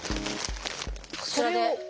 こちらで。